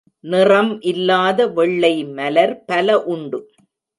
நிறம் இல்லாத வெள்ளைமலர் பல உண்டு.